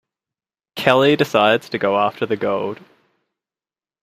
Kelly decides to go after the gold.